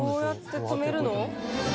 どうやって止めるの？